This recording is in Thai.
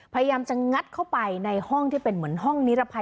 พยายามจะงัดเข้าไปในห้องที่เป็นเหมือนห้องนิรภัย